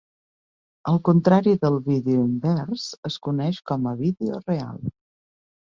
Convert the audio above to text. El contrari del vídeo invers es coneix com a "vídeo real".